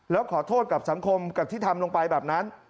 แล้วขอโทษกับสังคมกับที่ทำลงไปแบบนั้น